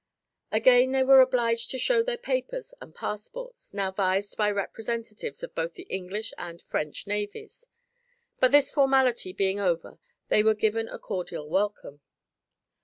Again they were obliged to show their papers and passports, now vised by representatives of both the English and French navies, but this formality being over they were given a cordial welcome.